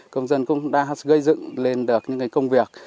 công dân cũng đã gây dựng lên được những công việc